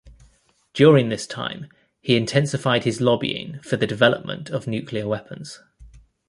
During this time, he intensified his lobbying for the development of nuclear weapons.